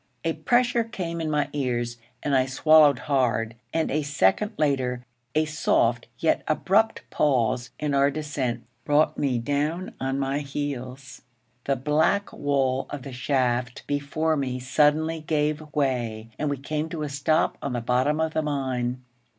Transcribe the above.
A pressure came in my ears and I swallowed hard; and a second later, a soft yet abrupt pause in our descent brought me down on my heels. The black wall of the shaft before me suddenly gave way, and we came to a stop on the bottom of the mine.